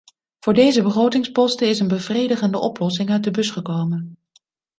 Voor deze begrotingsposten is een bevredigende oplossing uit de bus gekomen.